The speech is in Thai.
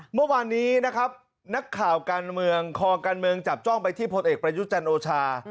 เมื่อวานนี้นะครับนักข่าวการเมืองคอการเมืองจับจ้องไปที่พลเอกประยุทธ์จันโอชา